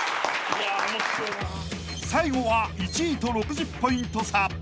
［最後は１位と６０ポイント差］